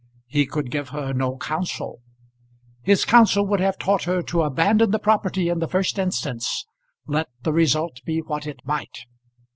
He could give her no counsel. His counsel would have taught her to abandon the property in the first instance, let the result be what it might.